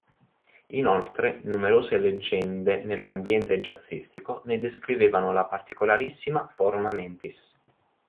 Inoltre, numerose leggende nell'ambiente jazzistico ne descrivevano la particolarissima "forma mentis".